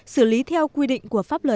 xử lý theo quy định của pháp luật